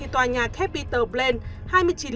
tòa nhà capitol plain